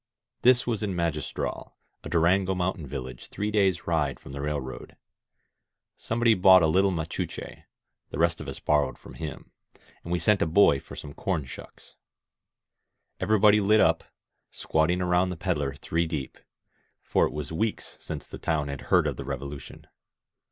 This was in Magistral, a Durango mountain village three days' ride from the railroad. Somebody bought a little macuche^ the rest of us borrowed from him, and we sent a boy for some corn shucks. Everybody lit up, squatting around the peddler three deep; for it was weeks since the town had heard of the Revolu tion.